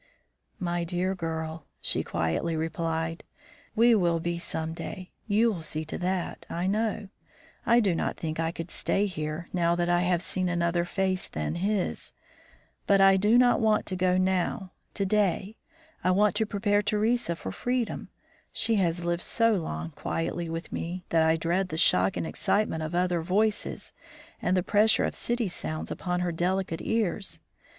"My dear girl," she quietly replied, "we will be some day. You will see to that, I know. I do not think I could stay here, now that I have seen another face than his. But I do not want to go now, to day. I want to prepare Theresa for freedom; she has lived so long quietly with me that I dread the shock and excitement of other voices and the pressure of city sounds upon her delicate ears.